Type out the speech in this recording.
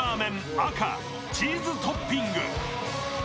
赤、チーズトッピング。